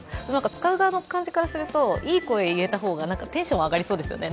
使う側の感じからするといい声入れた方がテンション上がりそうですよね。